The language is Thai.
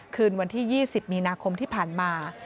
คืนวันที่๒๐มีนาคมที่ผ่านมา